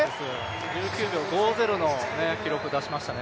１９秒５０の記録を出しましたね。